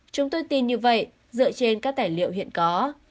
chúng tôi tin như vậy dựa trên các tài liệu hiện có